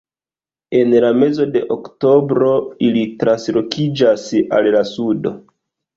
En la mezo de oktobro ili translokiĝas al la sudo.